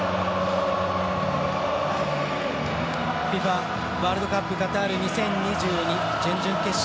ＦＩＦＡワールドカップカタール２０２２準々決勝